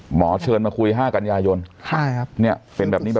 หมอเชิญมาคุย๕กันอย่ายนต์เป็นแบบนี้แบบนี้แบบนี้ค่ะค่ะ